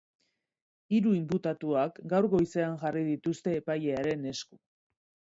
Hiru inputatuak gaur goizean jarri dituzte epailearen esku.